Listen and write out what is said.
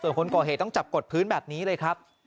ส่วนคนก่อเหตุต้องจับกดพื้นแบบนี้เลยครับ